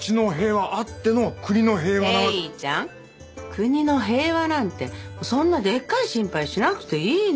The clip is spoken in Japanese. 国の平和なんてそんなでっかい心配しなくていいの。